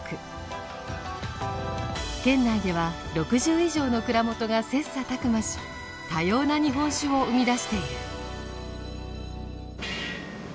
県内では６０以上の蔵元が切磋琢磨し多様な日本酒を生み出している。